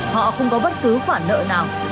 họ không có bất cứ khoản nợ nào